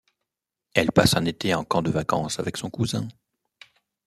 Elle passe un été en camp de vacances avec son cousin.